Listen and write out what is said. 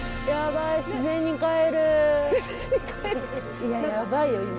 やばいよ